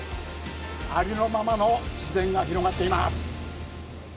ありのままの自然が広がっています。